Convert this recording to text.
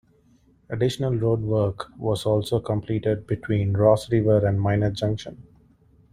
Additional road work was also completed between Ross River and Miner Junction.